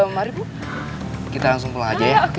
mari bu kita langsung pulang aja ya